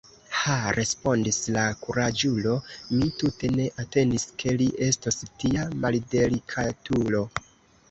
Ha, respondis la kuraĝulo, mi tute ne atendis, ke li estos tia maldelikatulo!